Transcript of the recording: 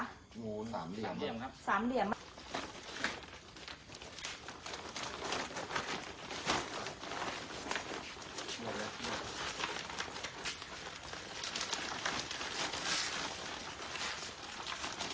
งูสามเหลี่ยมครับ